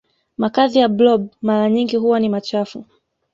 makazi ya blob mara nyingi huwa ni machafu